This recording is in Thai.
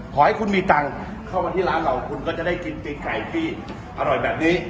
ขอให้คุณมีตังค์เข้ามาที่ร้านเราคุณก็จะได้กินตีนไก่ที่อร่อยแบบนี้